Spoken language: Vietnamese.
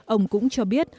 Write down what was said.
ông cũng cho biết